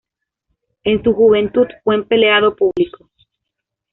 En su juventud fue empleado público.